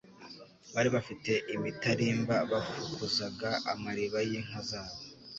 Bari bafite imitarimba bafukuzaga amariba y'inka zabo.